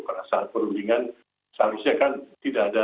pada saat perundingan seharusnya kan tidak ada